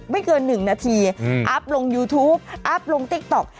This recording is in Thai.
เกิน๑นาทีอัพลงยูทูปอัพลงติ๊กต๊อก